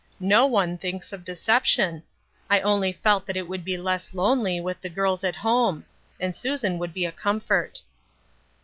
No one thinks of deception. I only felt that it would be less lonely with the girls at home ; and Susan would be a comfort."